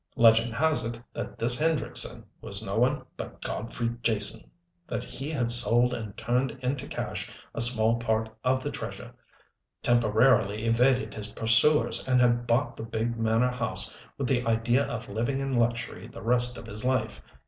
"Legend has it that this Hendrickson was no one but Godfrey Jason, that he had sold and turned into cash a small part of the treasure, temporarily evaded his pursuers, and had bought the big manor house with the idea of living in luxury the rest of his life.